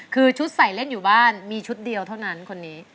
คือชุดใส่เล่นอยู่บ้านมีชุดเดียวเท่านั้นคนนี้